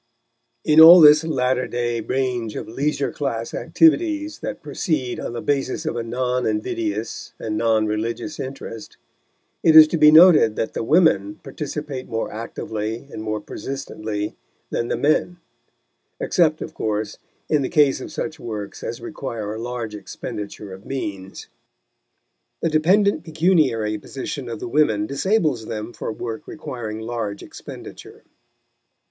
In all this latter day range of leisure class activities that proceed on the basis of a non invidious and non religious interest, it is to be noted that the women participate more actively and more persistently than the men except, of course, in the case of such works as require a large expenditure of means. The dependent pecuniary position of the women disables them for work requiring large expenditure.